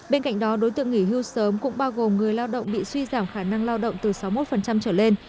bên cạnh đó đối tượng nghỉ hưu sớm cũng bao gồm người lao động bị suy giảm khả năng lao động từ sáu mươi một trở lên